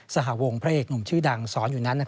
สหวงพระเอกหนุ่มชื่อดังสอนอยู่นั้น